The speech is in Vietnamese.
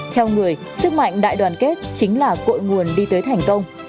theo người sức mạnh đại đoàn kết chính là cội nguồn đi tới thành công